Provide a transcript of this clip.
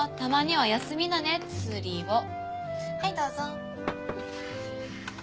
はいどうぞ。